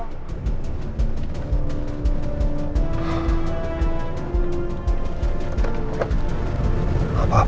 kau tetep bersikap gitu